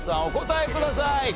お答えください。